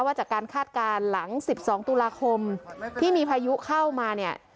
จากการคาดการณ์หลัง๑๒ตุลาคมที่มีพายุเข้ามาเนี่ย